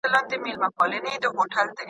سرمایه د تولید لپاره کارول کیږي.